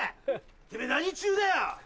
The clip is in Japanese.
てめぇ何中だよ？